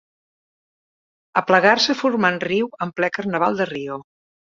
Aplegar-se formant riu en ple carnaval de Rio.